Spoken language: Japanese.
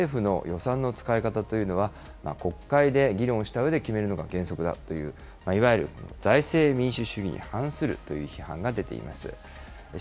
これに対して野党などからは、政府の予算の使い方というのは国会で議論したうえで決めるのが原則だという、いわゆる財政民主主義に反するという批判が出ています。